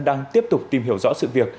đang tiếp tục tìm hiểu rõ sự việc